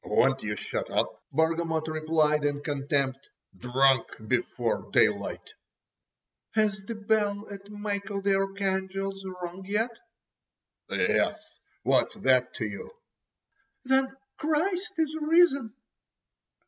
"Won't you shut up!" Bargamot replied in contempt. "Drunk before daylight!" "Has the bell at Michael the Archangel's rung yet?" "Yes, what's that to you?" "Then Christ is risen!"